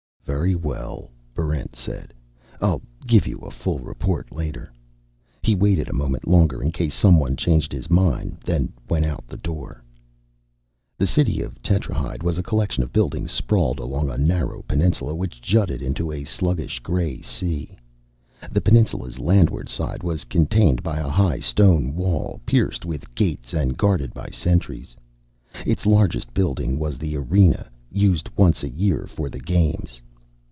"Very well," Barrent said. "I'll give you a full report later." He waited a moment longer in case someone changed his mind, then went out the door. The city of Tetrahyde was a collection of buildings sprawled along a narrow peninsula which jutted into a sluggish gray sea. The peninsula's landward side was contained by a high stone wall, pierced with gates and guarded by sentries. Its largest building was the Arena, used once a year for the Games.